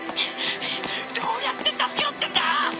どうやって助けろってんだ！？